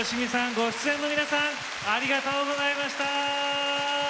ご出演の皆さんありがとうございました。